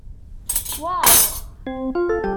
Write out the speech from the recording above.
Waw!